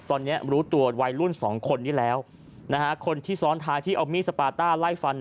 ตอนนี้รู้ตัววัยรุ่น๒คนนี้แล้วคนที่ซ้อนท้ายที่เอามีดสปาต้าไล่ฟัน